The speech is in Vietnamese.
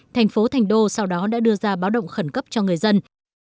thành phố thành đô sau đó đã đưa ra báo động khẩn cấp cho người dân